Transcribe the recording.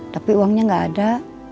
tapi uangnya gak ada